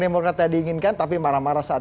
demokrat yang diinginkan tapi marah marah saat